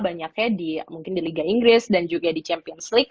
banyaknya di liga inggris dan juga di champions league